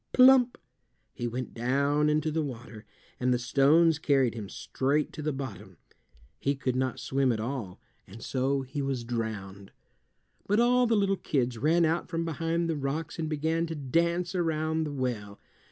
Plump! he went down into the water, and the stones carried him straight to the bottom. He could not swim at all, and so he was drowned. But all the little kids ran out from behind the rocks and began to dance around the well.